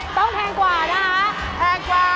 แพงกว่านะคะแพงกว่า